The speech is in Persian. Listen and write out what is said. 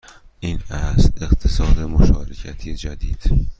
این است اقتصاد مشارکتی جدید